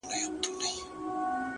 ستا د زلفو په خنجر کي را ايسار دی!!